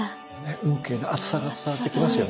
運慶の熱さが伝わってきますよね。